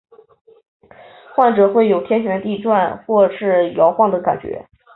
患者会有天旋地转或是摇晃的感觉。